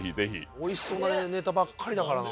おいしそうなネタばっかりだからな。